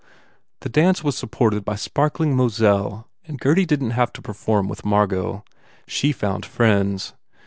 The dance was supported by sparkling Moselle and Gurdy didn t have to perform with Margot. She found friends.